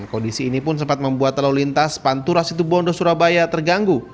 kondisi ini pun sempat membuat lalu lintas pantura situbondo surabaya terganggu